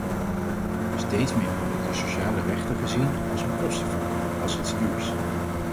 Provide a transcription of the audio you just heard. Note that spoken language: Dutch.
Steeds meer worden de sociale rechten gezien als een kostenfactor, als iets duurs.